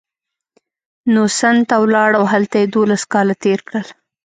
نو سند ته ولاړ او هلته یې دوولس کاله تېر کړل.